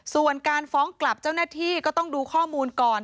ส่วนการฟ้องกลับเจ้าหน้าที่ก็ต้องดูข้อมูลก่อน